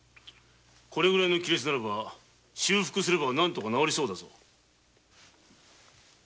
これぐらいの亀裂ならば修復すればなんとかなりそうだぞ。